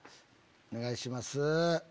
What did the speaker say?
お願いします。